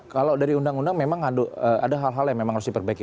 kalau dari undang undang memang ada hal hal yang memang harus diperbaiki